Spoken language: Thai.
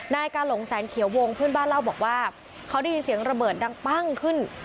นายกาหลงแสนเขียววงเพื่อนบ้านเล่าบอกว่าเขาได้ยินเสียงระเบิดดังปั้งขึ้น